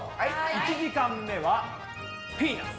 １時間目は「ピーナツ」。